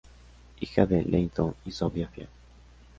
Hija de Leighton y Sophia Field.